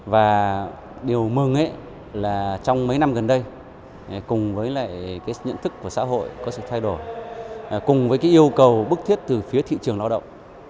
và điều mơ nghệ là trong mấy năm gần đây cùng với lại cái nhận thức của xã hội có sự thay đổi cùng với cái yêu cầu bức thiết từ phía thị trường lao động